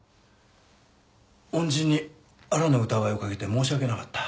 恩人にあらぬ疑いをかけて申し訳なかった。